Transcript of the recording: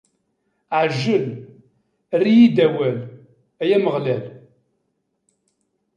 Ɛjel, err-iyi-d awal, ay Ameɣlal!